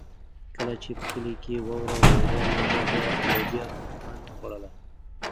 کله چې په کلي کې واوره ورېده نو موږ به لوبیا په خوند خوړله.